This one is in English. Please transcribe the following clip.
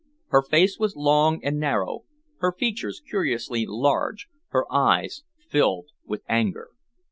Her face was long and narrow, her features curiously large, her eyes filled with anger.